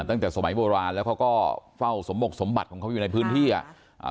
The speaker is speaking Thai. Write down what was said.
ตั้งแต่สมัยโบราณแล้วเขาก็เฝ้าสมบกสมบัติของเขาอยู่ในพื้นที่อ่ะอ่า